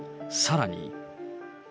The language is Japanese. さらに。